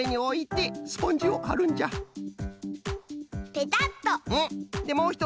ペタッと！